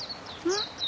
うん。